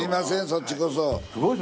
そっちこそ。